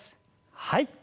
はい。